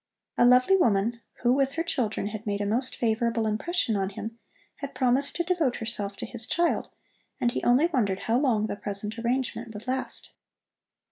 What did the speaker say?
A lovely woman, who with her children had made a most favorable impression on him, had promised to devote herself to his child, and he only wondered how long the present arrangement would last.